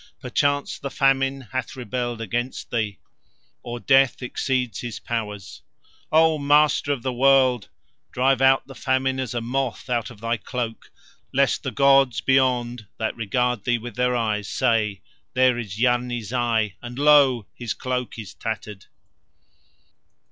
Perchance the Famine hath rebelled against thee, or Death exceeds his powers. O Master of the World, drive out the Famine as a moth out of thy cloak, lest the gods beyond that regard thee with their eyes say—there is Yarni Zai, and lo! his cloak is tattered."